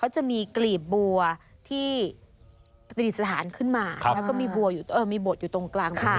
จะมีกลีบบัวที่ประดิษฐานขึ้นมาแล้วก็มีบทอยู่ตรงกลาง